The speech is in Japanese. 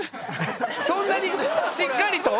そんなにしっかりと？